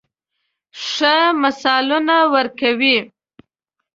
ښه مثالونه ورکوي.